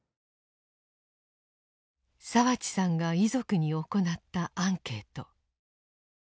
澤地さんが遺族に行ったアンケート。